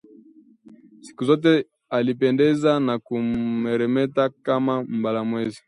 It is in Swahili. Siku zote alipendeza na kumeremeta kama mbala-mwezi